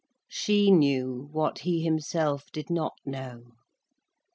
She knew what he himself did not know.